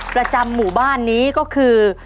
ประจำหมู่บ้านนี้ก็คือ